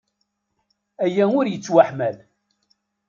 Aya ur yettwaḥmal!